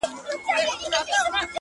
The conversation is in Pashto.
په لومړۍ شپه وو خپل خدای ته ژړېدلی -